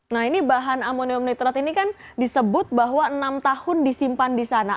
nah ini bahan amonium nitrat ini kan disebut bahwa enam tahun disimpan di sana